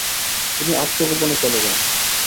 তিনি আত্মগোপনে চলে যান।